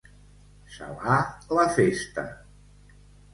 Salar la festa.